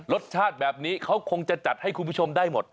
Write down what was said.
รสชาติแบบนี้เขาคงจะจัดให้คุณผู้ชมได้หมด